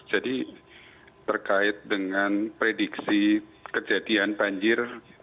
jadi terkait dengan prediksi kejadian banjir